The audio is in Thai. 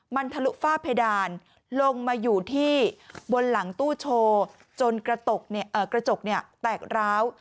มันทะลุฝ้าเพดานลงมาอยู่ที่บนหลังตู้โชว์จนกระจกแตกร้าว